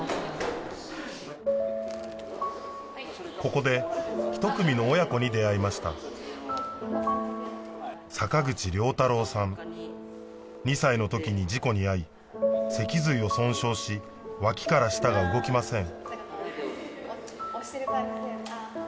ここで一組の親子に出会いました坂口竜太郎さん２歳の時に事故にあい脊髄を損傷し脇から下が動きません